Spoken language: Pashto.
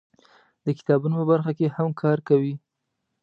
د کتابونو په برخه کې هم کار کوي.